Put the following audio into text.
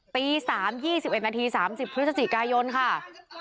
ตีสามยี่สิบไหนทีสามสิบฤษฎีกายนค่ะ